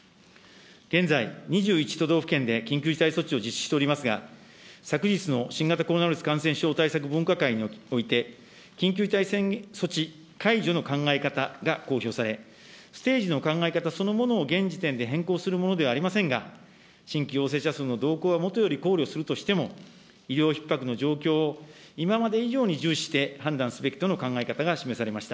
現在２１都道府県で緊急事態措置を実施しておりますが、昨日の新型コロナウイルス感染症対策分科会において、緊急事態措置解除の考え方が公表され、ステージの考え方そのものを現時点で変更するものではありませんが、新規陽性者数の動向はもとより考慮するとしても医療ひっ迫の状況を今まで以上に重視して判断すべきとの考え方が示されました。